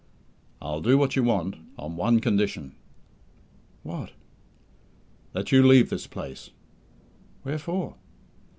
"I'll do what you want, on one condition." "What?" "That you leave this place." "Where for?"